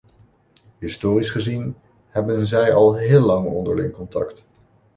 Historisch gezien hebben zij al heel lang onderling contact.